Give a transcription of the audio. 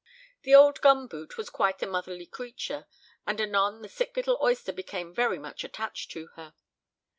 The old gum boot was quite a motherly creature, and anon the sick little oyster became very much attached to her.